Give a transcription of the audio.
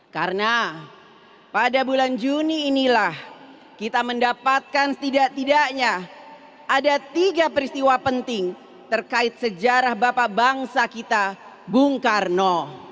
karena pada bulan juni inilah kita mendapatkan setidak tidaknya ada tiga peristiwa penting terkait sejarah bapak bangsa kita bung karno